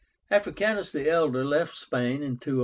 Africanus the elder left Spain in 206.